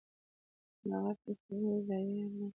که له فيمنستي زاويې نه